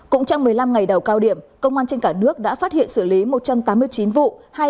cũng trong một mươi năm ngày đầu cao điểm công an trên cả nước đã phát hiện xử lý một trăm tám mươi chín vụ